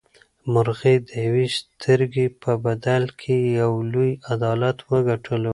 مرغۍ د یوې سترګې په بدل کې یو لوی عدالت وګټلو.